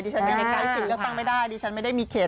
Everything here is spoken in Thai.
ดิฉันไม่ได้กายเกิดตั้งไปได้ดิฉันไม่มีเคต